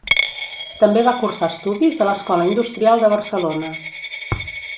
També va cursar estudis a l'Escola Industrial de Barcelona.